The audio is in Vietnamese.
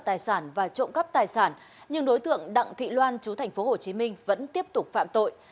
tài sản và trộm cắp tài sản nhưng đối tượng đặng thị loan chú thành phố hồ chí minh vẫn tiếp tục phạm tội